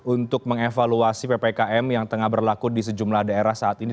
untuk mengevaluasi ppkm yang tengah berlaku di sejumlah daerah saat ini